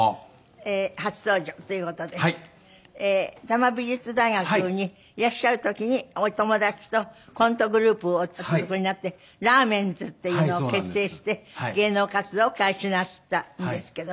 多摩美術大学にいらっしゃる時にお友達とコントグループをお作りになってラーメンズっていうのを結成して芸能活動を開始なすったんですけど。